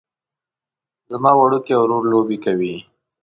زما وړوکی ورور لوبې کوي